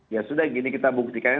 ya sudah gini kita buktikannya